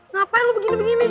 ngapain lu begini begini